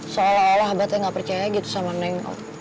soalnya abah teh gak percaya gitu sama neng